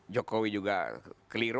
jokowi juga keliru